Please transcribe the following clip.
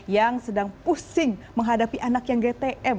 yang sedang pusing menghadapi anak yang gtm